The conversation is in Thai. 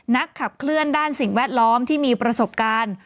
ขับเคลื่อนด้านสิ่งแวดล้อมที่มีประสบการณ์